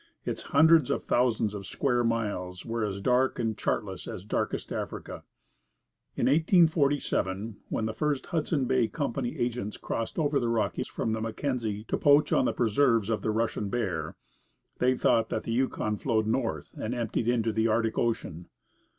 Its hundreds of thousands of square miles were as dark and chartless as Darkest Africa. In 1847, when the first Hudson Bay Company agents crossed over the Rockies from the Mackenzie to poach on the preserves of the Russian Bear, they thought that the Yukon flowed north and emptied into the Arctic Ocean.